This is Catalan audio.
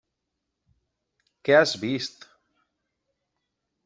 Què has vist?